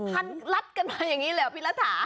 ลัดกันมาอย่างนี้เหรอพี่รัฐา